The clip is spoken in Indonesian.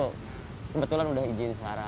kebetulan udah izin sekarang